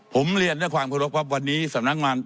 ผมเรียนได้ความขอรบครับวันนี้สำนักงบมาร